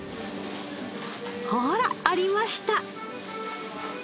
ほら！ありました。